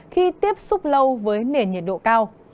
khi tiếp xúc lâu với nền nhiệt độ cao